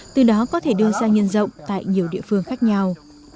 từ đó có thể đưa ra nhân rộng tại nhiều địa phương khác nhau